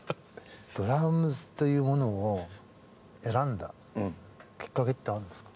ドラムズというものを選んだきっかけってあるんですか？